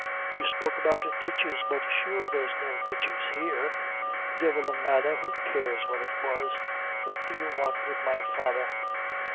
"You spoke about ditches, but sure there's no ditches here." "Divil a matther who cares what it was? What did you want wid my father?"